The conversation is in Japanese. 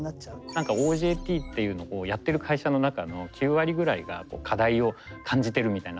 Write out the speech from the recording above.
何かＯＪＴっていうのをやってる会社の中の９割ぐらいが課題を感じてるみたいな